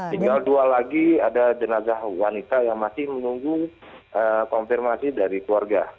tinggal dua lagi ada jenazah wanita yang masih menunggu konfirmasi dari keluarga